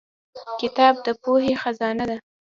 کتاب د پوهې خزانه ده